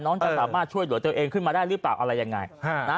น้องจะสามารถช่วยหลัวเจ้าเองขึ้นมาได้หรือเปล่าอะไรยังไงนะ